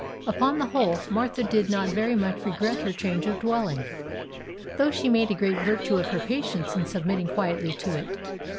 Upon the whole, Martha did not very much regret her change of dwelling, though she made a great virtue of her patience in submitting quietly to it.